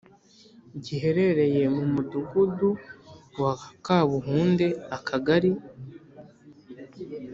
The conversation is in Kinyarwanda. Giherereye Mu Mudugudu Wa Kabuhunde Akagari